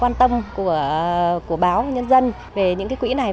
có những lần tiếp theo sự quan tâm của báo và nhân dân về những quỹ này